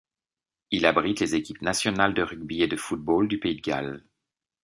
Il abrite les équipes nationales de rugby et de football du pays de Galles.